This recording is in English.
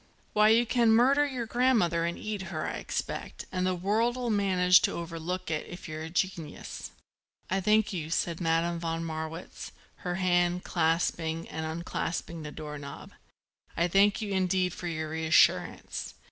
Why you can murder your grandmother and eat her, I expect, and the world'll manage to overlook it, if you're a genius." "I thank you," said Madame von Marwitz, her hand clasping and unclasping the door knob. "I thank you indeed for your reassurance.